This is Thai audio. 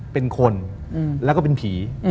เป็นคนแล้วก็เป็นผี